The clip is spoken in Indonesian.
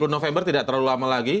dua puluh november tidak terlalu lama lagi